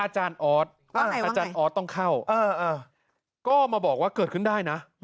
อาจารย์ออสอาจารย์ออสต้องเข้าก็มาบอกว่าเกิดขึ้นได้นะ